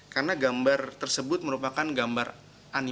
karena gambar tersebut merupakan gambar yang tidak menjadikan penyakit